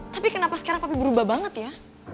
tapi kenapa sekarang kopi berubah banget ya